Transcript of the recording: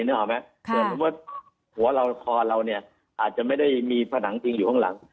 เกิดรู้ว่าหัวเราคอเราอาจจะไม่ได้มีผนังจริงอยู่ข้างหลัง